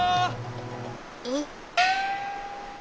えっ？